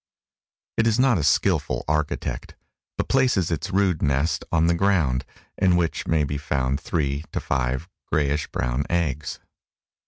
It is not a skillful architect, but places its rude nest on the ground, in which may be found three to five grayish brown eggs.